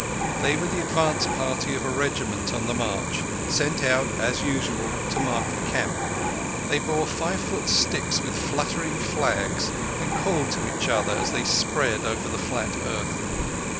They were the advance party of a regiment on the march, sent out, as usual, to mark the camp. They bore five foot sticks with fluttering flags, and called to each other as they spread over the flat earth.